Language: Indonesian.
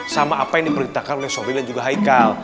sama apa yang diperintahkan oleh sobir dan juga haikal